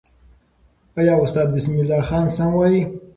آیا استاد بسم الله خان سم وایي؟